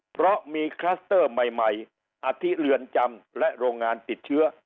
เพราะมีคลัสเตอร์ใหม่อธิเรือนจำและโรงงานติดเชื้อ